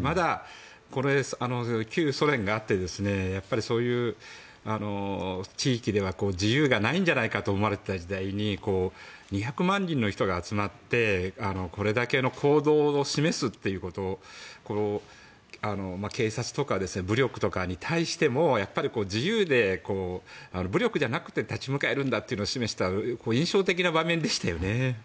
まだ旧ソ連があってそういう地域では自由がないんじゃないかと思われていた時代に２００万人の人が集まってこれだけの行動を示すということを警察とか武力とかに対しても自由で武力じゃなくても立ち向かえるんだというのを示した印象的な場面でしたよね。